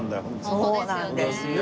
そうなんですよ。